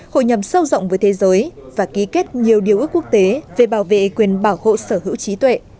hội nhầm sâu rộng với thế giới và ký kết nhiều điều ước quốc tế về bảo vệ quyền bảo hộ sở hữu trí tuệ